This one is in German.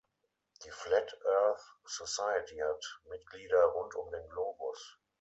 Die Flat Earth Society hat Mitglieder rund um den Globus.